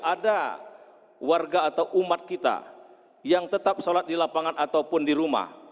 ada warga atau umat kita yang tetap sholat di lapangan ataupun di rumah